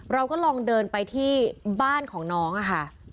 เราก็ลองเดินไปที่บ้านของน้องค่ะ